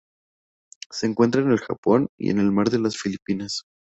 Se encuentra en el Japón y en el Mar de las Filipinas.